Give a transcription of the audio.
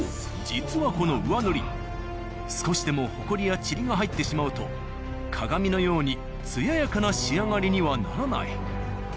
実はこの上塗り少しでもホコリや塵が入ってしまうと鏡のように艶やかな仕上がりにはならない。